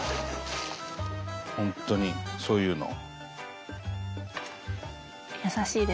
本当にそういうの。